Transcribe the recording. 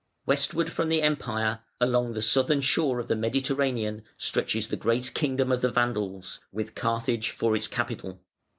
Westward from the Empire, along the southern shore of the Mediterranean, stretches the great kingdom of the Vandals, with Carthage for its capital.